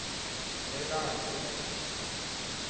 维拉尔多内。